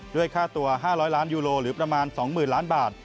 ด้วยค่าตัว๕๐๐ล้านยูโรหรือประมาณ๒๐๐๐ล้านบาท